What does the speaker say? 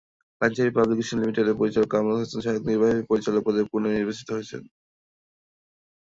Panjeree publications লিমিটেডের পরিচালক কামরুল হাসান শায়ক নির্বাহী পরিচালক পদে পুনর্নির্বাচিত হয়েছেন।